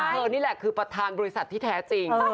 นี่แหละคือประธานบริษัทที่แท้จริง